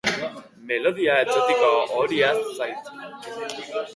Melodia exotiko hori ahaztu zait.